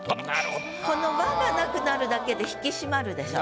この「は」がなくなるだけで引き締まるでしょう。